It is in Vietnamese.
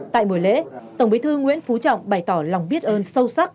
tại buổi lễ tổng bí thư nguyễn phú trọng bày tỏ lòng biết ơn sâu sắc